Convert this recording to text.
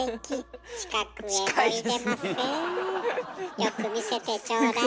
よく見せてちょうだい。